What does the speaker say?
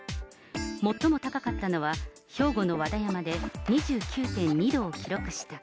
最も高かったのは兵庫の和田山で２９．２度を記録した。